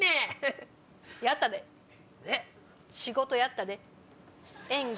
仕事やったで演技。